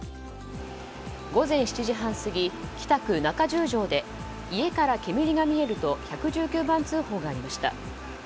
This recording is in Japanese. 午前７時半過ぎ、北区中十条で家から煙が見えると１１９番通報がありました。